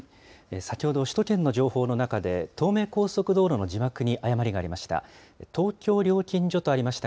先ほど首都圏の情報の中で、東名高速道路の字幕に誤りがありました。